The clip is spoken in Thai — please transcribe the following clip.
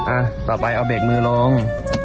อ่ะต่อไปเอาเบรกมือลง